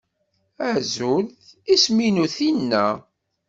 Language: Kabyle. Azul, isem-inu Tina.